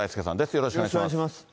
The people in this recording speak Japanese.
よろしくお願いします。